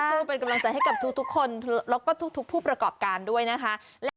ก็เป็นกำลังใจให้กับทุกคนแล้วก็ทุกผู้ประกอบการด้วยนะคะ